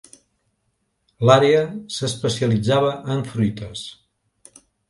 L"àrea s"especialitzava en fruites.